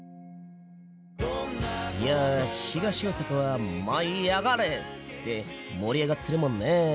いや東大阪は「舞いあがれ！」で盛り上がってるもんね。